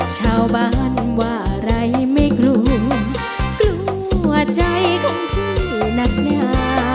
ชาวบ้านว่าอะไรไม่กลัวกลัวใจของพี่นักหนา